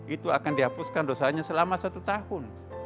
itu akan dihapuskan dosanya selama satu tahun